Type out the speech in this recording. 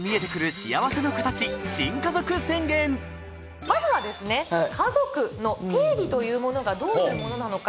幸せの形まずはカゾクの定義というものがどういうものなのか。